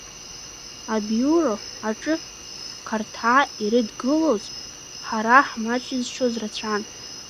Абиуро аҿы Қарҭаа ирыдгылоз, ҳара ҳмаҷызшьоз рацәан.